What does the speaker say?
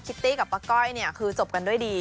ตี้กับป้าก้อยเนี่ยคือจบกันด้วยดี